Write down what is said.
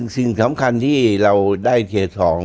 สิ่งสำคัญที่เราได้เททอง